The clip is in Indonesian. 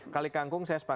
kalikangkung sini ya